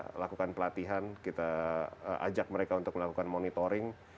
kita lakukan pelatihan kita ajak mereka untuk melakukan monitoring